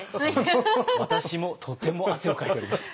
私もとても汗をかいております。